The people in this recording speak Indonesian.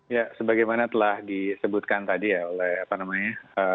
ya sebagaimana telah disebutkan tadi ya oleh apa namanya